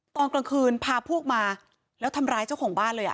ตอนกลางคืนพาพวกมาแล้วทำร้ายเจ้าของบ้านเลยอ่ะ